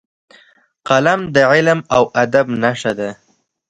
قلم د علم او ادب نښه ده